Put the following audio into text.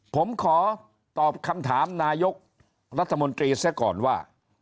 ผมขอตอบคำถามนายกรัฐมนตรีเสียก่อนว่า